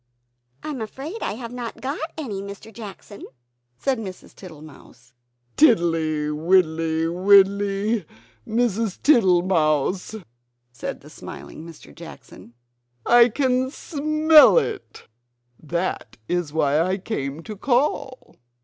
"I am afraid I have not got any, Mr. Jackson!" said Mrs. Tittlemouse. "Tiddly, widdly, widdly, Mrs. Tittlemouse!" said the smiling Mr. Jackson, "I can SMELL it; that is why I came to call."